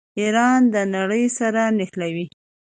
ایران د نړۍ سره نښلوي.